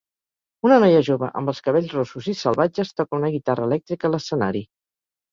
Una noia jove amb els cabells rossos i salvatges toca una guitarra elèctrica a l'escenari